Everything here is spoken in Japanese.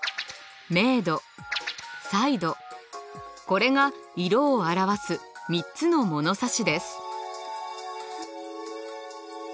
これが色を表す３つの物差しです。